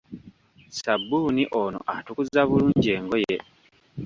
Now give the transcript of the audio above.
Ssabbuni ono atukuza bulungi engoye!